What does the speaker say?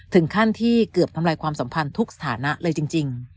ถึงขั้นที่เกือบทำลายความสัมพันธ์ทุกสถานะเลยจริง